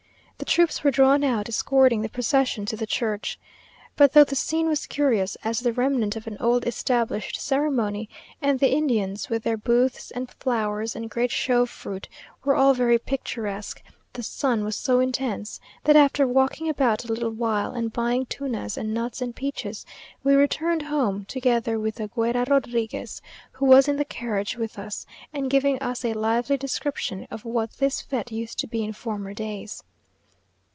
The troops were drawn out, escorting the procession to the church. But though the scene was curious, as the remnant of an old established ceremony, and the Indians, with their booths and flowers, and great show of fruit, were all very picturesque, the sun was so intense, that after walking about a little while, and buying tunas and nuts and peaches, we returned home, together with the Guera Rodriguez, who was in the carriage with us, and giving us a lively description of what this fête used to be in former days.